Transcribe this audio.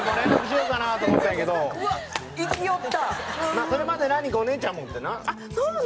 まあそれまで何人かお姉ちゃんもおってな。